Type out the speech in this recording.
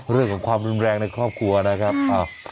เรื่องของความรุนแรงในครอบครัวนะครับ